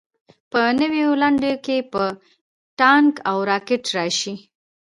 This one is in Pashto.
په نویو لنډیو کې به ټانک او راکټ راشي.